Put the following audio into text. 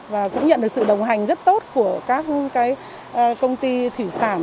và cũng nhận được sự đồng hành rất tốt của các công ty thủy sản